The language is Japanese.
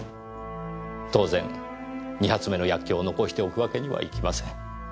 当然２発目の薬莢を残しておくわけにはいきません。